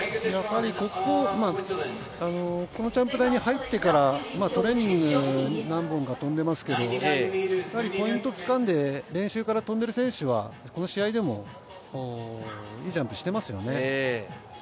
このジャンプ台に入ってからトレーニング何本か飛んでますけどポイントつかんで練習から飛んでいる選手は、この試合でもいいジャンプしていますよね。